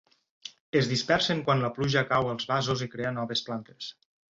Es dispersen quan la pluja cau als vasos i crea noves plantes.